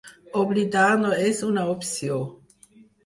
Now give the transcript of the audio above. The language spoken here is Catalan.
Oblidar no és una opció.